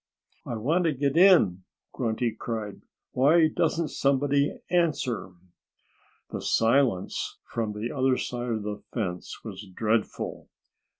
"I want to get in!" Grunty cried. "Why doesn't somebody answer?" The silence from the other side of the fence was dreadful.